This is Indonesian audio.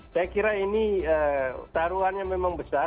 saya kira ini taruhannya menurut saya